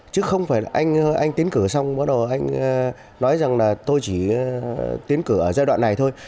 chứ không phải là anh tiến cử xong bắt đầu anh nói rằng là tôi chỉ tiến cử ở giai đoạn này thôi